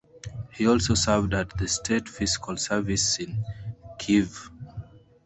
He also served at the State Fiscal Service in Kyiv.